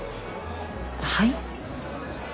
はい？